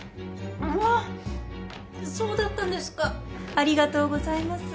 ありがとうございます。